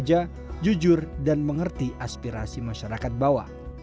yang berbahaya jujur dan mengerti aspirasi masyarakat bawah